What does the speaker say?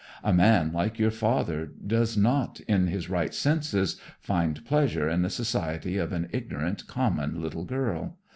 A man like your father does not, in his right senses, find pleasure in the society of an ignorant, common little girl.